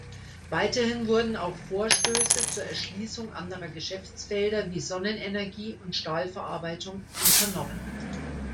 Weiterhin wurden auch Vorstöße zur Erschließung anderer Geschäftsfelder wie Sonnenenergie und Stahlverarbeitung unternommen.